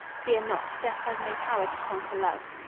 Fear not; death has no power to conquer love.